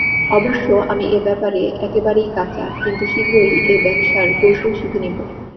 অবশ্য আমি এ ব্যাপারে একেবারেই কাঁচা, কিন্তু শীঘ্রই এ ব্যবসার কৌশল শিখে নেব।